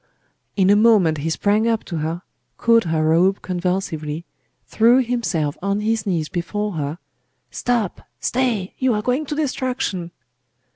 In a moment he sprang up to her, caught her robe convulsively, threw himself on his knees before her 'Stop! Stay! You are going to destruction!